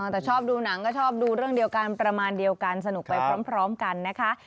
แต่ชอบดูหนังก็ชอบดูเรื่องเดียวกันประมาณเดียวกันสนุกไปพร้อมกันนะคะ